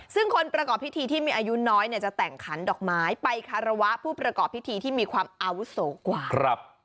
ซึ่งคนประกอบพิธีที่มีอายุน้อยเนี่ยจะแต่งขันดอกไม้ไปคารวะผู้ประกอบพิธีที่มีความอาวุโสกว่า